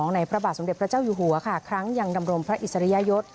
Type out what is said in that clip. ในพระบาทสมเด็จพระเจ้าอยู่หัวค่ะครั้งยังดำรงพระอิสริยยศ